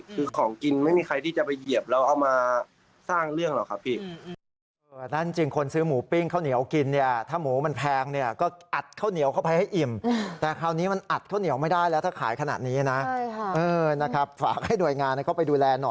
คือของกินไม่มีใครที่จะไปเหยียบแล้วเอามาสร้างเรื่องหรอกครับพี่